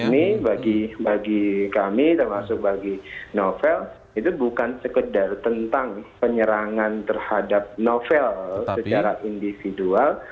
jadi ini bagi kami termasuk bagi novel itu bukan sekedar tentang penyerangan terhadap novel secara individual